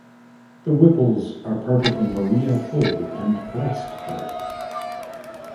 The Whipples are part of the Maria fold and thrust belt.